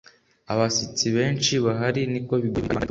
Abashyitsi benshi bahari niko bigoye kubika ibanga ritunguranye